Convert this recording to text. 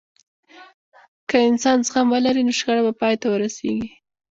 که انسان زغم ولري، نو شخړه به پای ته ورسیږي.